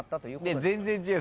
全然違う。